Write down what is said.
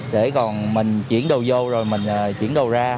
để còn mình chuyển đồ vô rồi mình chuyển đồ ra